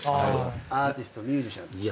アーティストミュージシャンとして。